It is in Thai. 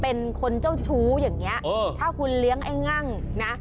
เป็นคนเจ้าชู้อย่างนี้ถ้าคุณเลี้ยงไอ้งั่งนะ